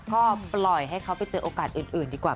ก็ปล่อยให้เขาไปเจอโอกาสอื่นดีกว่า